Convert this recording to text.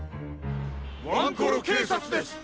ワンコロけいさつです！